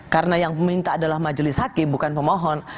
karena yang meminta adalah majelis hakim bukan pemohon